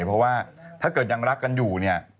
เพราะว่าถ้าเกิดยังรักกันอยู่เนี่ย